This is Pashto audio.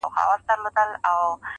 بلا وهلی يم، چي تا کوم بلا کومه.